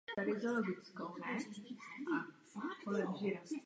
Jeho zdraví se však stále zhoršovalo.